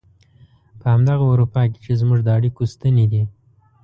په همدغه اروپا کې چې زموږ د اړيکو ستنې دي.